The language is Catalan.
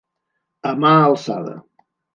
A mà alçada.